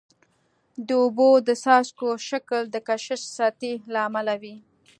د اوبو د څاڅکو شکل د کشش سطحي له امله وي.